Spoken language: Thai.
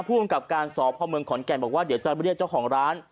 ผู้กำกับการสอบพ่อเมืองขอนแก่นบอกว่าเดี๋ยวจะเรียกเจ้าของร้าน